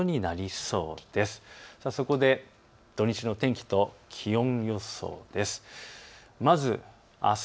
そこで土日の天気と気温予想です。